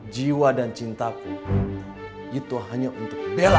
jiwa dan cintaku itu hanya untuk bella